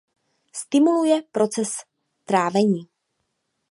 Stimuluje proces trávení.